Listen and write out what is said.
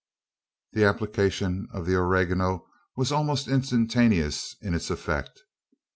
The application of the oregano was almost instantaneous in its effect.